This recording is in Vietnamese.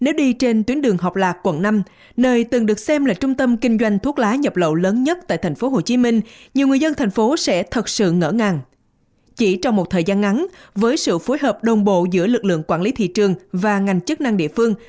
chỉ trong một thời gian ngắn với sự phối hợp đồng bộ giữa lực lượng quản lý thị trường và ngành chức năng địa phương